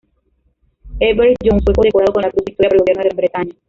Herbert Jones fue condecorado con la cruz Victoria por el gobierno de Gran Bretaña.